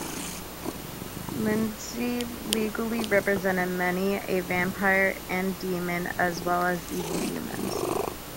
Lindsey legally represented many a vampire and demon, as well as evil humans.